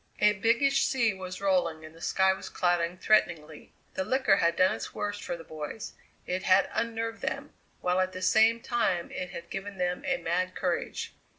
A biggish sea was rolling and the sky was clouding threateningly. The liquor had done its worst for the boys: it had unnerved them, while at the same time it had given them a mad courage.